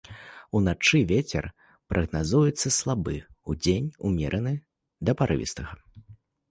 Уначы вецер прагназуецца слабы, удзень умераны да парывістага.